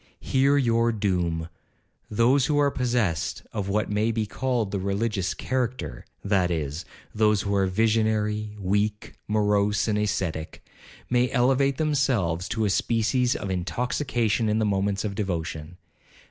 Hear your doom—Those who are possessed of what may be called the religious character, that is, those who are visionary, weak, morose and ascetic, may elevate themselves to a species of intoxication in the moments of devotion.